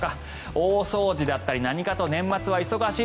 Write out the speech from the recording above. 大掃除だったり何かと年末は忙しい。